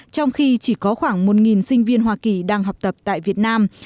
trong khi chỉ có khoảng một sinh viên hoa kỳ đang học tập tại việt nam